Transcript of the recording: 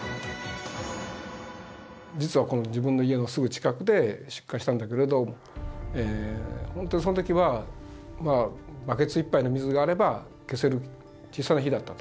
実は自分の家のすぐ近くで出火したんだけれど本当にその時はバケツ１杯の水があれば消せる小さな火だったと。